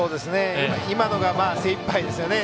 今のが精いっぱいですね。